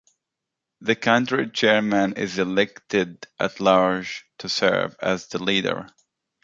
The county chairman is elected at-large to serve as the leader.